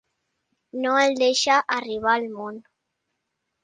No el deixa arribar al món.